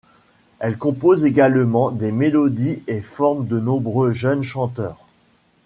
Elle compose également des mélodies et forme de nombreux jeunes chanteurs.